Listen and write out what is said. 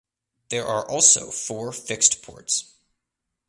There are also four fixed ports.